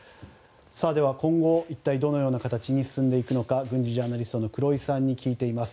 では、今後一体どのような形に進んでいくのか軍事ジャーナリストの黒井さんに聞いてみます。